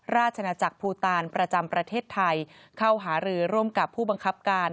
ราชนาจักรภูตานประจำประเทศไทยเข้าหารือร่วมกับผู้บังคับการ